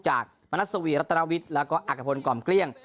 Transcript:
จากมนัศวีรัตนวิทรและอักปรกล่อมเกลี้ยง